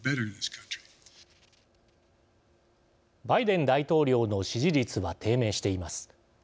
バイデン大統領の支持率は低迷しています。